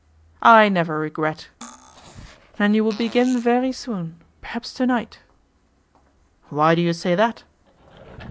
'I never regret.' 'Then you will begin very soon perhaps to night.' 'Why do you say that?